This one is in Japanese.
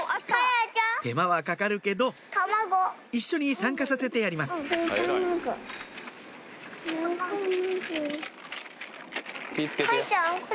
手間は掛かるけど一緒に参加させてやりますたまご。